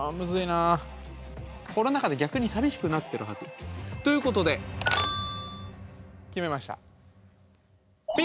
コロナ禍で逆に寂しくなってるはず。ということで決めました。